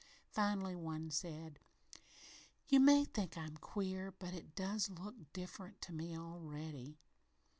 Finally one said: "You may think I'm queer, but it does look different to me already!"